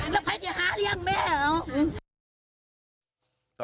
แล้วไปที่ฮ้าเรียกไหม